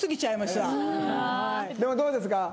でもどうですか？